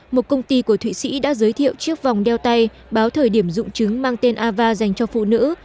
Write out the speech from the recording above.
một công ty của thụy sĩ đã giới thiệu chiếc vòng đeo tay báo thời điểm dụng chứng mang tên ava dành cho phụ nữ